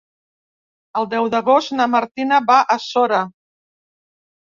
El deu d'agost na Martina va a Sora.